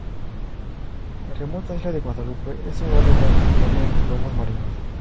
La remota Isla de Guadalupe es hogar de grandes colonias de lobos marinos.